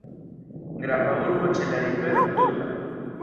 Grava urbo ĉe la rivero: Turda.